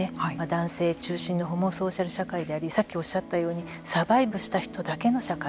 男性中心のホモソーシャル社会でありさっきおっしゃったようにサバイブした人たちだけの社会。